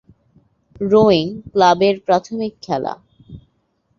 Rowing ক্লাবের প্রাথমিক খেলা।